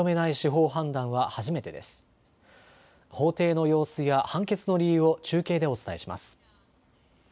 法廷の様子や判決の理由を中継でお伝えします。